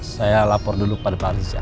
saya lapor dulu pada pak rizal